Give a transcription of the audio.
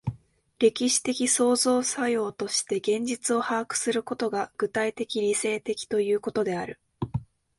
歴史的創造作用として現実を把握することが、具体的理性的ということである。